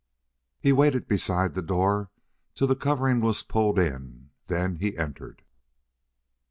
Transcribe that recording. He waited beside the door till the covering was pulled in, then he entered.